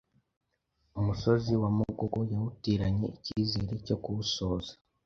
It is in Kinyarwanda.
umusozi wa Mugogo yawutereranye icyizere cyo kuwosoza.